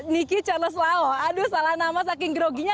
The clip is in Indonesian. niki charles lao aduh salah nama saking groginya